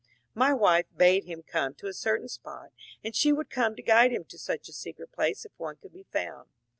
My wife bade him come to a certain spot, and she would come to guide him to such a secret place if one could be found.